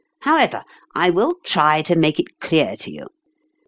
However, I will try to make it clear to you.